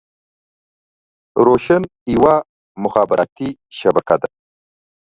روشن يوه مخابراتي شبکه ده.